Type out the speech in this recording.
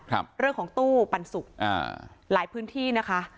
ครับเรื่องของตู้ปันสุกอ่าหลายพื้นที่นะคะ